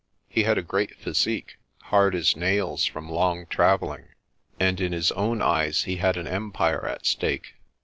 He had a great physique, hard as nails from long travelling, and in his own eyes he had an empire at stake.